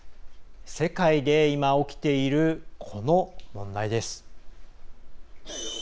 世界で今、起きているこの問題です。